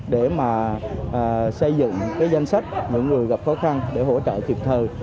để mà xây dựng cái danh sách những người gặp khó khăn để hỗ trợ kịp thời